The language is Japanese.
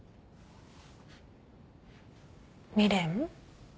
未練？